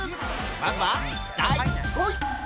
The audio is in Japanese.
まずは第５位。